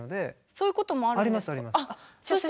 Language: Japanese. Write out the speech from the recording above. そういうこともあるんですか？